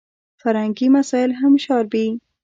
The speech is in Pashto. فرهنګي مسایل هم شاربي.